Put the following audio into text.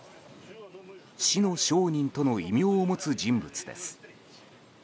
死の商人との異名を持つ人物です。